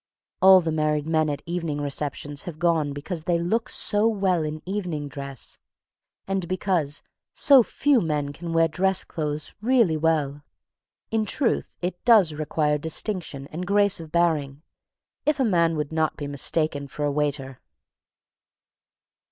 All the married men at evening receptions have gone because they "look so well in evening dress," and because "so few men can wear dress clothes really well." In truth, it does require distinction and grace of bearing, if a man would not be mistaken for a waiter.